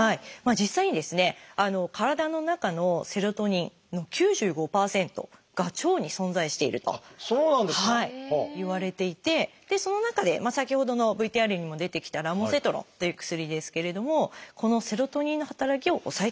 実際にですね体の中のセロトニンの９５％が腸に存在しているといわれていてその中で先ほどのＶＴＲにも出てきたラモセトロンという薬ですけれどもこのセロトニンの働きを抑えてくれるというものです。